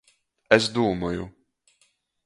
Es dūmoju.